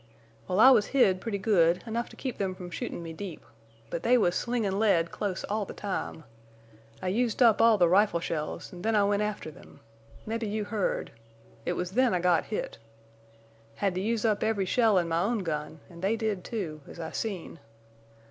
Well, I was hid pretty good, enough to keep them from shootin' me deep, but they was slingin' lead close all the time. I used up all the rifle shells, an' en I went after them. Mebbe you heard. It was then I got hit. Had to use up every shell in my own gun, an' they did, too, as I seen.